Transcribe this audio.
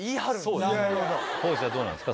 地はどうなんですか？